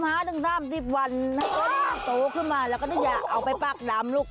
ให้ตัวโตขึ้นมาแล้วก็จะเอาไปปากดำลูก